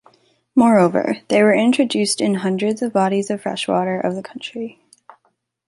Moreover, they were introduced in hundreds of bodies of fresh water of the country.